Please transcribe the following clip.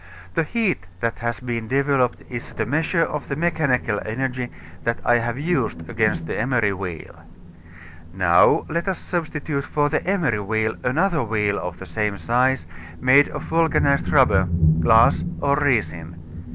The heat that has been developed is the measure of the mechanical energy that I have used against the emery wheel. Now, let us substitute for the emery wheel another wheel of the same size made of vulcanized rubber, glass or resin.